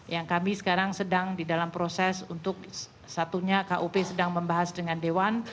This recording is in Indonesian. yang kami sekarang sedang di dalam proses untuk satunya kup sedang membahas dengan dewan